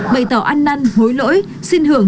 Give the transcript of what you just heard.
bày tỏ ăn năn hối lỗi xin hưởng